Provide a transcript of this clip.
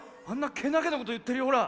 けなげなこといってるよほら。